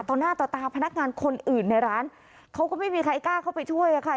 ต่อหน้าต่อตาพนักงานคนอื่นในร้านเขาก็ไม่มีใครกล้าเข้าไปช่วยอะค่ะ